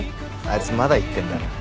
あいつまだ言ってんだな。